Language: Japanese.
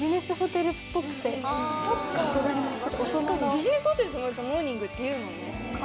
ビジネスホテル泊まるとモーニングって言うもんね。